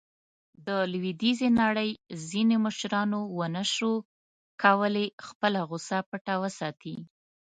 د لویدیځې نړۍ ځینو مشرانو ونه شو کولاې خپله غوصه پټه وساتي.